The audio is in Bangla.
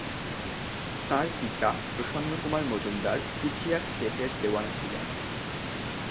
তাঁর পিতা প্রসন্নকুমার মজুমদার পুঠিয়া স্টেটের দেওয়ান ছিলেন।